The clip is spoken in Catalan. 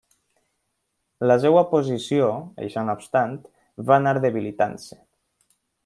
La seva posició, això no obstant, va anar debilitant-se.